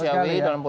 itu sangat menarik